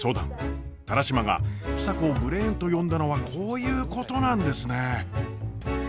田良島が房子をブレーンと呼んだのはこういうことなんですね。